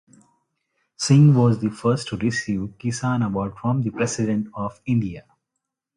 Singh was the first to receive Kisan Award from the President of India.